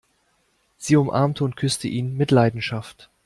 Sie umarmte und küsste ihn mit Leidenschaft.